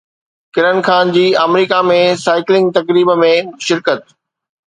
ڪرن خان جي America ۾ cycling تقريب ۾ شرڪت